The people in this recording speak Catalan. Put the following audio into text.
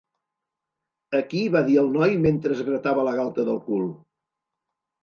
Aquí —va dir el noi, mentre es gratava la galta del cul.